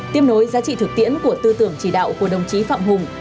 tiếp nối giá trị thực tiễn của tư tưởng chỉ đạo của đồng chí phạm hùng